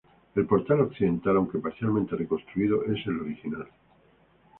El portal occidental, aunque parcialmente reconstruido, es el original.